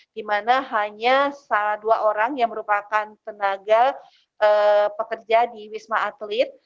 di mana hanya dua orang yang merupakan tenaga pekerja di wisma atlet